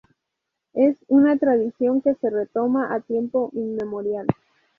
Es una tradición que se remonta a tiempo inmemorial.